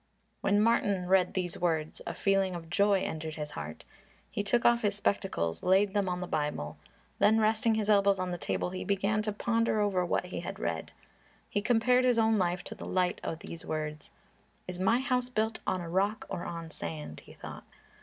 When Martin read these words a feeling of joy entered his heart. He took off his spectacles, laid them on the Bible, then resting his elbows on the table, he began to ponder over what he had read. He compared his own life to the light of these words. "Is my house built on a rock or on sand?" he thought.